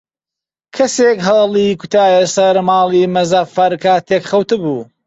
کەسێک هەڵی کوتایە سەر ماڵی مزەفەر کاتێک خەوتبوو.